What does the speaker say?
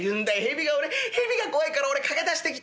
俺蛇が怖いから俺駆け出してき」。